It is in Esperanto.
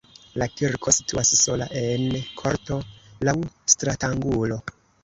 La kirko situas sola en korto laŭ stratangulo.